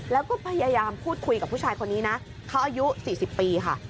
แล้วก็พยายามพูดคุยกับผู้ชายคนนี้นะเขาอายุ๔๐ปีค่ะ